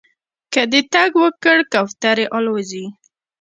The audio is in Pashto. که دې ټک وکړ کوترې الوځي